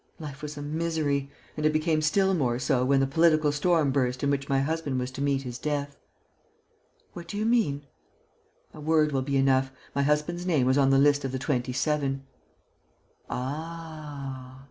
Life was a misery; and it became still more so when the political storm burst in which my husband was to meet his death." "What do you mean?" "A word will be enough: my husband's name was on the list of the Twenty seven." "Ah!"